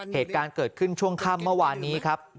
เหตุการณ์เกิดขึ้นช่วงค่ำเมื่อวานนี้ครับ